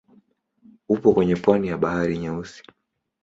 Upo kwenye pwani ya Bahari Nyeusi.